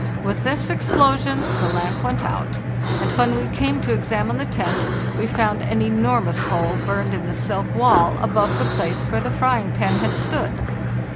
With this explosion the lamp went out; but when we came to examine the tent we found an enormous hole burned in the silk wall above the place where the frying pan had stood.